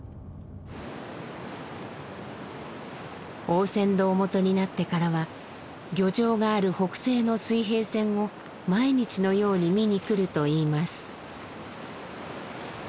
大船頭元になってからは漁場がある北西の水平線を毎日のように見に来るといいます。